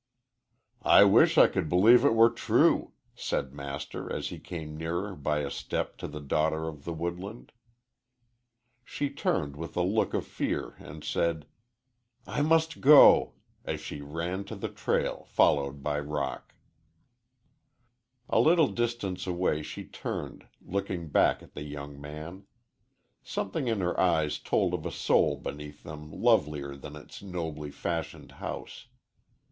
"I wish I could believe it were true," said Master, as he came nearer by a step to the daughter of the woodland. She turned with a look of fear and said, "I must go," as she ran to the trail, followed by Roc. A little distance away she turned, looking back at the young man. Something in her eyes told of a soul beneath them lovelier than its nobly fashioned house.